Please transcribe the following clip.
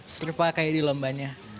serupa kayak di lombanya